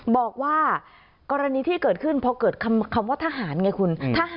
บอกว่ากรณีที่เกิดขึ้นพอเกิดคำว่าทหารไงคุณ